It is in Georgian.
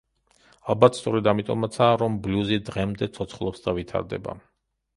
ალბათ სწორედ ამიტომაცაა, რომ ბლუზი დღემდე ცოცხლობს და ვითარდება.